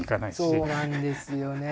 そうなんですよね。